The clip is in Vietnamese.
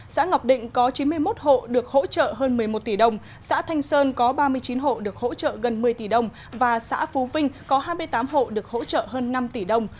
xã ngọc định có chín mươi một hộ được hỗ trợ hơn một mươi một tỷ đồng xã thanh sơn có ba mươi chín hộ được hỗ trợ gần một mươi tỷ đồng và xã phú vinh có hai mươi tám hộ được hỗ trợ hơn năm tỷ đồng